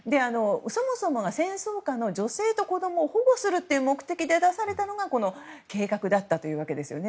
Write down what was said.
そもそもが戦争下の女性と子供を保護するという目的で出されたのがこの計画だったんですね。